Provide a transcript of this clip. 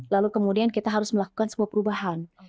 lalu kemudian kita harus melakukan sebuah perubahan